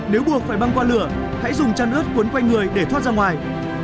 nếu buộc phải băng qua lửa hãy dùng chăn ớt cuốn quanh người để thoát ra ngoài